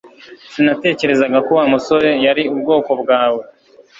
Sinatekerezaga ko Wa musore yari ubwoko bwawe